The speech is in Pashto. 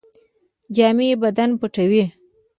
جامې بدن پټوي